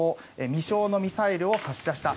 未詳のミサイルを発射した。